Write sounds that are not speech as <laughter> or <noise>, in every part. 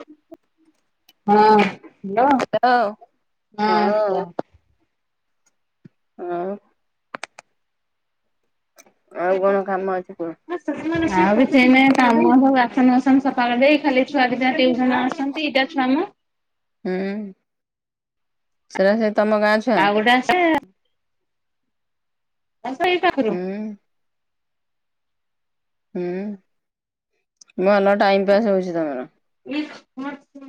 ହଁ ହାଲୋ ହଉ। ହଁ ହଁ କୁହ? ଅଁ। ଆଉ କଣ କାମ ଅଛି କୁହ? ଆଉ ସେ ନାଇଁ ତାମ ସବୁ ବାସନ କୁସନ ସଫାକରିଦେଇ ଖାଲି ଛୁଆ ଦିଟା ଟିଉସନ ଆସୁଛନ୍ତି ଦି ଟା ଛୁଆ ମ ହୁଁ ସେରା ସେ ତମ ଗାଁ ଛୁ ଆଉ ଗୋଟେ ଆସେ। ହଁ ସେଇ ପାଖରୁ। ହୁଁ ହୁଁ ଭଲ ଟାଇମ ପାସ୍ ହଉଛି ତମର।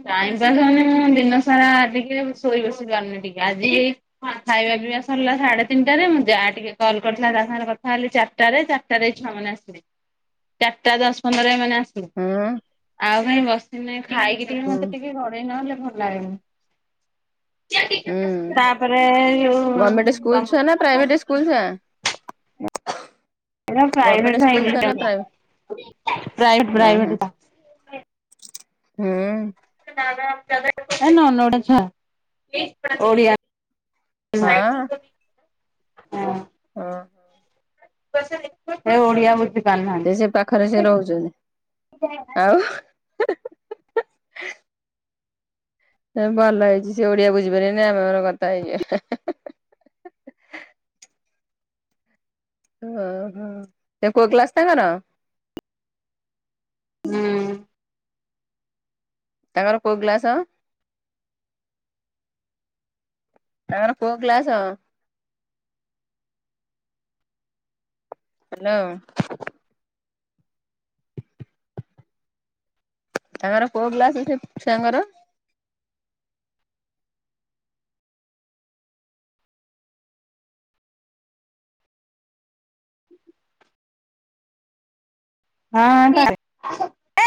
ଟାଇମ ପାସ୍ ହଉନି ମୁଁ ଦିନ ସାରା ଟିକେ ଶୋଇ ବସି ପାରୁନି ଟିକେ ଆଜି ହେଇ ହଁ ଖାଇବା ପିଇବା ସରିଲା ସାଢେ ତିନିଟାରେ ମୁଁ ଯାଆ ଟିକେ କଲ କରିଥିଲା ତା ସାଙ୍ଗରେ କଥା ହେଲି ଚାରିଟାରେ ଚାରଟାରେ ଏଇ ଛୁଆ ମାନେ ଚାରିଟା ଦଶ ପନ୍ଦରରେଏ ମାନେ ଆସ ହୁଁ ଆଉ କାଇଁ ବସିିନି ଖାଇକି ଟିକେ ହୁଁ। ମତେ ଟିକେ ଗଢେଇ ନହେଲେ ଭଲ ଲାଗେନି। ହୁଁ ତାପରେ ଯଉ ଗଭର୍ଣ୍ଣମେଣ୍ଟ ସ୍କୁଲ ତମ ଛୁଆ ନା ପ୍ରାଇଭେଟ ସ୍କୁଲ ସା ଏଟା ପ୍ରାଇଭେଟ ଭାଇ ହୁଁ ପ୍ରାଇଭେଟ ହୁଁ ପ୍ରାଇଭେଟ ଟା। ହୁଁ। ହେ ନନ ଓଡ଼ିଆ ଛୁଆ ଓଡିଆ ହଁ। ହଁ। ହଁ। ସେ ଓଡିଆ ବୁଝୁ ସେ ସେ ପାଖରେ ସେ ରହୁଛନ୍ତି ଆଉ। ଭଲ ହେଇଛି ସେ ଓଡିଆ ବୁଝିପାରିବେନି ଆମେ ଆମର କଥା ହେଇଯିବା। ଓହୋ ତ କୋଉ କ୍ଲାସ ତାଙ୍କର? ହୁଁ। ତାଙ୍କର କୋଉ କ୍ଲାସ? ତାଙ୍କର କୋଉ କ୍ଲାସ? ହାଲୋ। ତାଙ୍କର କଉ କ୍ଲାସ ସେ ଛୁଆଙ୍କର? ହଁ <inaudible>